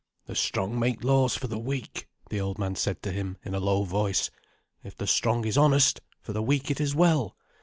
"The strong make laws for the weak," the old man said to him in a low voice. "If the strong is honest, for the weak it is well.